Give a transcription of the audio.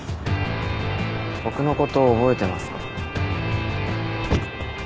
僕のこと覚えてますか？